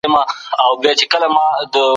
الله پاک د صابرینو سره ملګری دی.